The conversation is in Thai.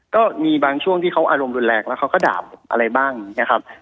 ก็มีบางช่วงที่เขาอารมณ์รุนแรงแล้วเขาก็ด่าผมอะไรบ้างอย่างนี้ครับ